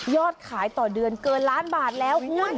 ขายต่อเดือนเกินล้านบาทแล้วคุณ